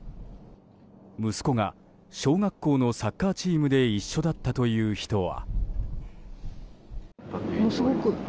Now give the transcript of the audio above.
息子が小学校のサッカーチームで一緒だったという人は。